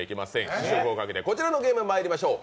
試食をかけてこちらのゲーム、まいりましょう。